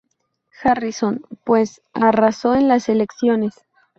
Harrison, pues, arrasó en las elecciones.